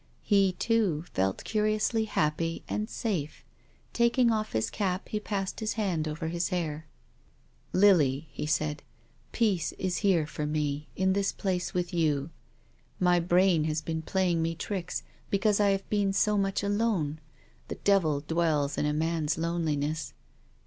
He, too, felt curiously happy and safe. Taking off his cap he passed his hand over his hair. " Lily," he said, " peace is here for me, in this place with you. My brain has been playing me tricks because I have been so much alone, the devil dwells in a man's loneliness.